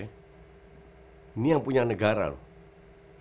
ini yang punya negara loh